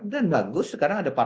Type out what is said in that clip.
dan bagus sekarang ada pameran